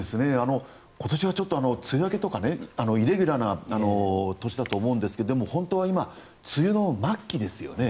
今年はちょっと梅雨明けとかイレギュラーの年だと思うんですがでも本当は今、梅雨の末期ですよね。